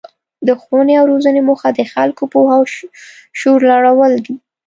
د ښوونې او روزنې موخه د خلکو پوهه او شعور لوړول دي.